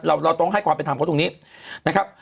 เราต้องให้ความเป็นธรรมเขาตรงนี้นะครับ